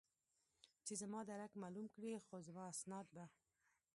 چې زما درک معلوم کړي، خو زما اسناد به.